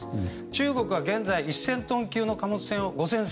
中国は現在、１０００トン級の貨物船を５０００